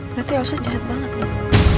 berarti elsa jahat banget dik